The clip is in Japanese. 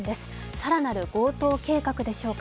更なる強盗計画でしょうか。